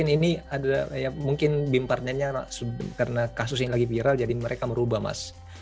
ini ada ya mungkin beam partnernya karena kasus ini lagi viral jadi mereka merubah mas